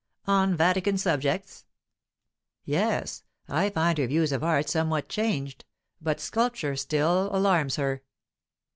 "On Vatican subjects?" "Yes. I find her views of art somewhat changed. But sculpture still alarms her."